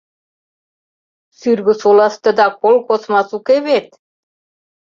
Сӱргӧсоластыда кол космас уке вет?